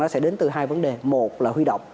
sẽ đến từ hai vấn đề một là huy động